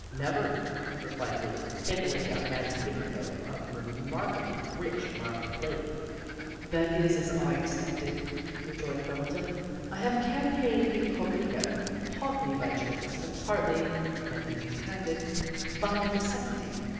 "Never," replied Bleak, kindling a magnifico of remarkably rich, mild flavor. "That is as I expected," rejoined Quimbleton. "We have campaigned incognito, partly by choice and partly (let me be candid) by necessity.